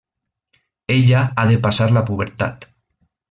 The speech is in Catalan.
Ella ha de passar la pubertat.